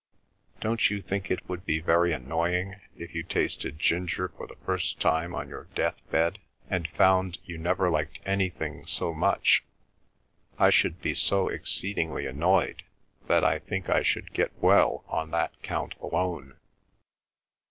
"Don't you think it would be very annoying if you tasted ginger for the first time on your death bed, and found you never liked anything so much? I should be so exceedingly annoyed that I think I should get well on that account alone."